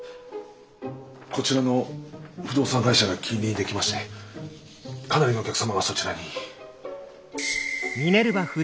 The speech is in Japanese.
こちらの不動産会社が近隣にできましてかなりのお客様がそちらに。